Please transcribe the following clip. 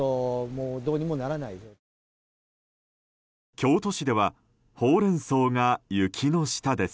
京都市ではホウレンソウが雪の下です。